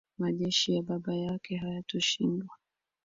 majeshi ya baba yake hayatoshindwa